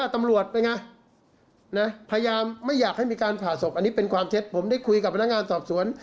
ถ้าจะอยากให้มีการผ่าโทรศวกอันนี้เป็นความเท็จผมได้คุยกับพนักงานสอบสวน